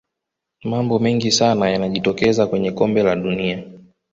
mambo mengi sana yanajitokeza kwenye kombe la dunia